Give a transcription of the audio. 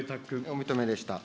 お認めでした。